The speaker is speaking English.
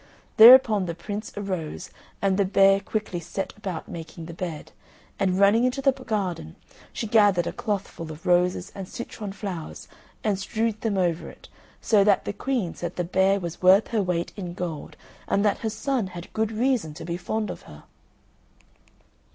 Thereupon the Prince arose, and the bear quickly set about making the bed; and running into the garden, she gathered a clothful of roses and citron flowers and strewed them over it, so that the queen said the bear was worth her weight in gold, and that her son had good reason to be fond of her.